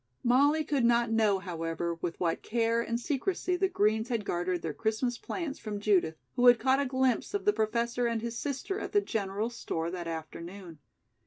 Molly could not know, however, with what care and secrecy the Greens had guarded their Christmas plans from Judith, who had caught a glimpse of the Professor and his sister at the general store that afternoon.